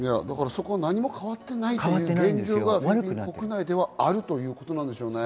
何も変わってないという現状がフィリピン国内ではあるということなんでしょうね。